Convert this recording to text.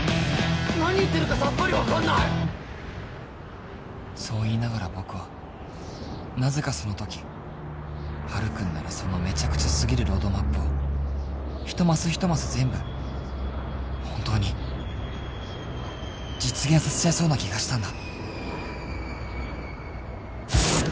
何言ってるかさっぱり分かんないそう言いながら僕はなぜかその時ハル君ならそのめちゃくちゃすぎるロードマップを一マス一マス全部本当に実現させちゃいそうな気がしたんだ